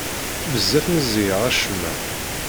Bezzaf meẓẓiyeɣ acemma.